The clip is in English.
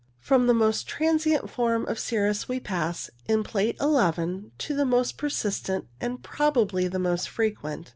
From the most transient form of cirrus we pass, in Plate ii, to the most persistent and probably the most frequent.